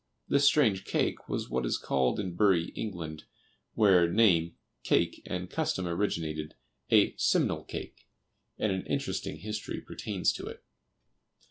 This strange cake was what is called in Bury, England, where name, cake and custom originated, a "Simnel cake," and an interesting history pertains to it.